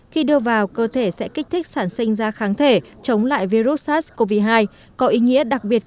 khi đưa vào cơ thể sẽ kích thích sản sinh ra kháng thể chống lại virus sars cov hai